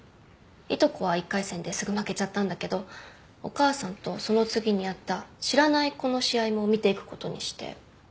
いとこは１回戦ですぐ負けちゃったんだけどお母さんとその次にあった知らない子の試合も見ていくことにして。